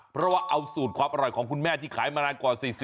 เพราะว่าเอาสูตรความอร่อยของคุณแม่ที่ขายมานานกว่า๔๐